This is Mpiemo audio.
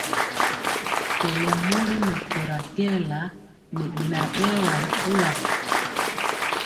Kɔlo mori mɛkóra kɛɛla ŋɛ beŋa berwa ri kula.